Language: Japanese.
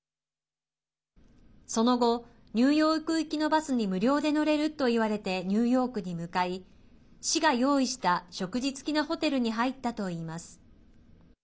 その後「ニューヨーク行きのバスに無料で乗れる」と言われてニューヨークに向かい市が用意した食事付きのホテルに入ったといいます。